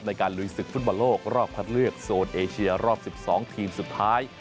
ลุยศึกฟุตบอลโลกรอบคัดเลือกโซนเอเชียรอบ๑๒ทีมสุดท้าย